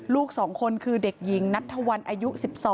ลูก๒คนคือเด็กหญิงณฑอายุ๑๒